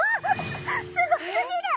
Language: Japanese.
すごすぎる！